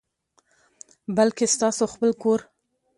بلکي ستاسو خپل کور،